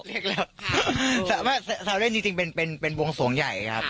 เล็กแล้วสาวเล่นจริงจริงเป็นเป็นเป็นวงสวงใหญ่ครับ